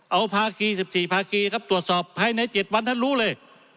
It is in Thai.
เอาภาคี๑๔ภาคีครับตรวจสอบภายใน๗วันท่านรู้เลย